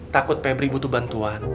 takut pebri butuh bantuan